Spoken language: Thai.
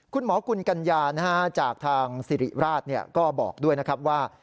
คุณหมอกุลกัญญาจากทางสิริราชก็บอกด้วยนะครับว่า